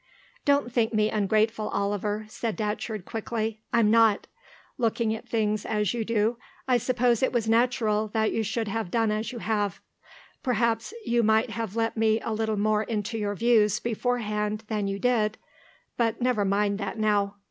"Don't think me ungrateful, Oliver," said Datcherd, quickly. "I'm not. Looking at things as you do, I suppose it was natural that you should have done as you have. Perhaps you might have let me a little more into your views beforehand than you did but never mind that now.